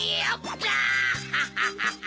ガハハハハ！